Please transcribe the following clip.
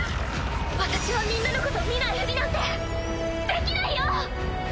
私はみんなのこと見ないふりなんてできないよ！